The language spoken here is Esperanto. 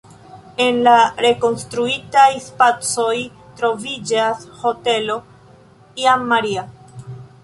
En la rekonstruitaj spacoj troviĝas hotelo Jan Maria.